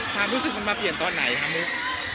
ความรู้สึกมันมาเปลี่ยนตอนไหนครับมุก